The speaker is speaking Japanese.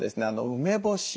梅干し